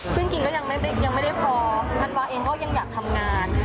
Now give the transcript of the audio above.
ซึ่งจริงก็ยังไม่ได้พอธันวาเองก็ยังอยากทำงาน